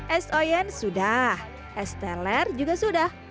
es oyen sudah es teler juga sudah